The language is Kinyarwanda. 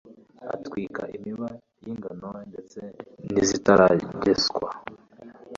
atwika imiba y'ingano ndetse n'izitarageswa